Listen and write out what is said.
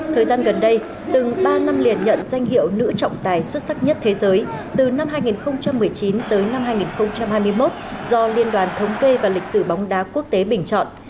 thời gian gần đây từng ba năm liền nhận danh hiệu nữ trọng tài xuất sắc nhất thế giới từ năm hai nghìn một mươi chín tới năm hai nghìn hai mươi một do liên đoàn thống kê và lịch sử bóng đá quốc tế bình chọn